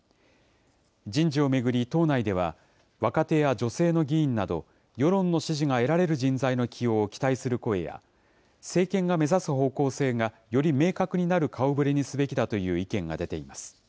人事を巡り、党内では若手や女性の議員など、世論の支持が得られる人材の起用を期待する声や、政権が目指す方向性がより明確になる顔ぶれにすべきだという意見が出ています。